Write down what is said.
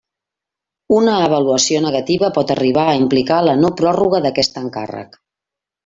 Una avaluació negativa pot arribar a implicar la no-pròrroga d'aquest encàrrec.